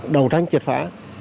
đầu tranh triệt phá